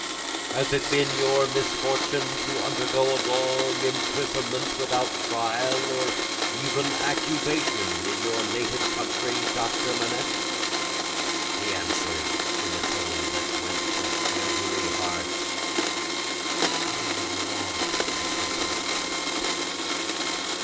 "Has it been your misfortune to undergo a long imprisonment, without trial, or even accusation, in your native country, Doctor Manette?" He answered, in a tone that went to every heart, "A long imprisonment."